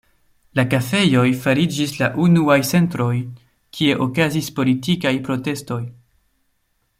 La kafejoj fariĝis la unuaj centroj, kie okazis politikaj protestoj.